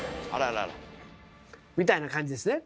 みたいな感じですね。